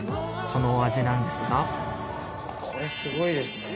そのお味なんですがこれすごいですね